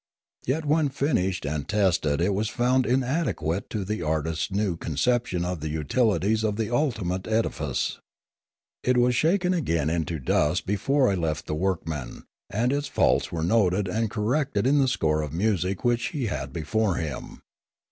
Yet when finished and tested it was found inadequate to the artist's new conception of the utilities of the ultimate edifice. It was shaken again into dust before I left the workman, and its faults were noted and corrected in the score of music which he had before him.